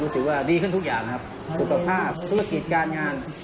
ถือว่าดีขึ้นทุกอย่างนะครับสุขภาพธุรกิจการงาน